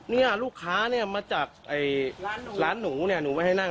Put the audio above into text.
เนี่ยลูกค้าเนี่ยมาจากร้านหนูเนี่ยหนูไม่ให้นั่ง